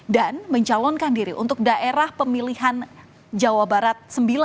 dan mencalonkan diri untuk daerah pemilihan jawa barat sembilan